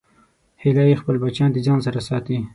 هیلۍ خپل بچیان د ځان سره ساتي